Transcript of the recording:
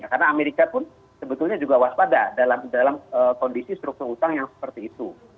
karena amerika pun sebetulnya juga waspada dalam kondisi struktur utang yang seperti itu